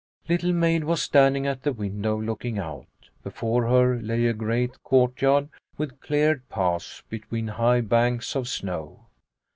Little Maid was standing at the window, looking out. Before her lay a great courtyard with cleared paths between high banks of snow.